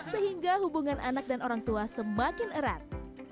sehingga hubungan anak dan orang tua semakin erat